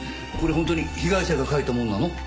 本当に被害者が書いたものなの？